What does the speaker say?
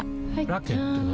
ラケットは？